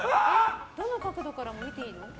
どの角度からも見ていいの？